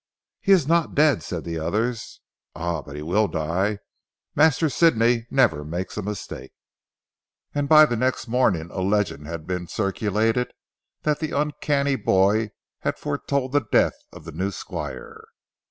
"He is not dead," said others. "Ah! But he will die. Master Sidney, never makes a mistake." And by the next morning a legend had been circulated that the uncanny boy, had foretold the death of the new Squire.